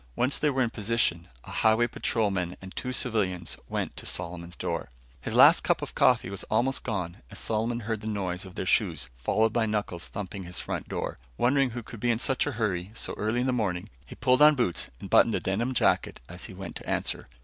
Once they were in position, a Highway patrolman and two civilians went to Solomon's door. His last cup of coffee was almost gone as Solomon heard the noise of their shoes, followed by knuckles thumping his front door. Wondering who could be in such a hurry, so early in the morning, he pulled on boots and buttoned a denim jacket as he went to answer.